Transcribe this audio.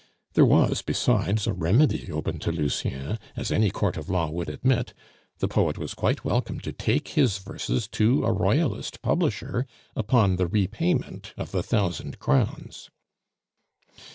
There was, besides, a remedy open to Lucien, as any court of law would admit the poet was quite welcome to take his verses to a Royalist publisher upon the repayment of the thousand crowns.